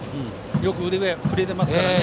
よく腕が振れていますね。